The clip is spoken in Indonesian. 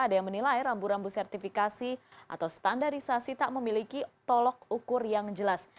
ada yang menilai rambu rambu sertifikasi atau standarisasi tak memiliki tolok ukur yang jelas